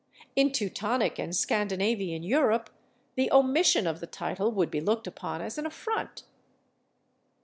In Teutonic and Scandinavian Europe the omission of the title would be looked upon as an affront.